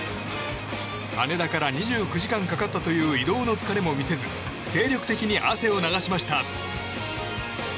羽田から２９時間かかったという移動の疲れも見せず精力的に汗を流しました。